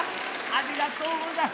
ありがとうございます。